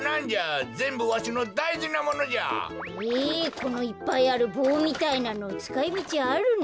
このいっぱいあるぼうみたいなのつかいみちあるの？